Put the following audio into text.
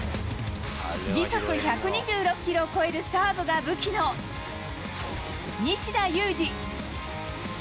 時速１２６キロを超えるサーブが武器の西田有志。